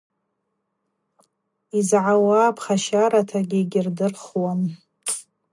Йызгӏауа пхащаратагьи йгьырдырхуам.